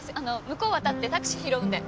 向こう渡ってタクシー拾うので。